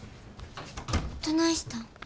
どないしたん？